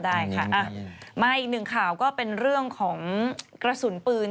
ได้ค่ะมาอีกหนึ่งข่าวก็เป็นเรื่องของกระสุนปืน